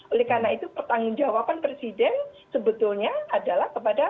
oleh karena itu pertanggung jawaban presiden sebetulnya adalah kepada